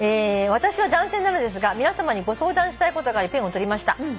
「私は男性なのですが皆さまにご相談したいことがありペンをとりました」